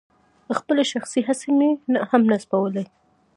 خپلې شخصي هڅې مې هم نه سپمولې.